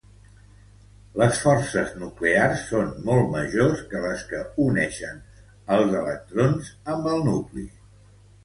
Les forces nuclears són molt majors que les que uneixen als electrons amb el nucli.